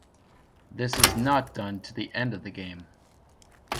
This is not done to the end of the game.